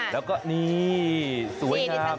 แล้วก็นี่สวยงาม